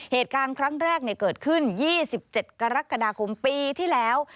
เหตุการณ์ครั้งแรกเกิดขึ้น๒๗กรกฎาคมปีที่แล้ว